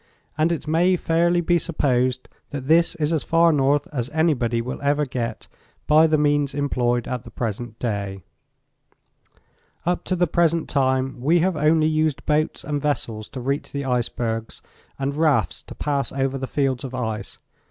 And it may fairly be supposed that this is as far north as anybody will ever get by the means employed at the present day. Up to the present time we have only used boats and vessels to reach the icebergs, and rafts to pass over the fields of ice.